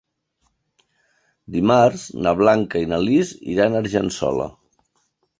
Dimarts na Blanca i na Lis iran a Argençola.